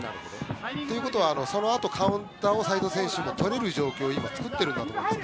ということはそのあとカウンターを斎藤選手も取れる状況を作っているんだと思います。